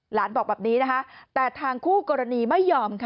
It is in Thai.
หลานบอกแบบนี้แต่ทางคู่กรณีไม่ยอม